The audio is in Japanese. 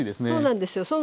そうなんですよ。